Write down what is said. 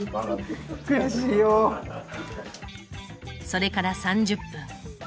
それから３０分。